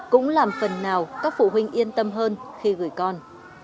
cũng làm phần nào các phụ huynh yên tâm hơn khi gửi con